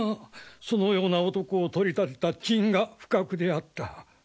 そのような男を取り立てた朕が不覚であった。